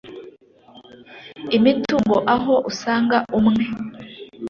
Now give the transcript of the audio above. imitungo aho usanga umwe